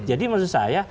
jadi menurut saya